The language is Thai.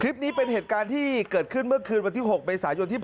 คลิปนี้เป็นเหตุการณ์ที่เกิดขึ้นเมื่อคืนวันที่๖ใบสายยนต์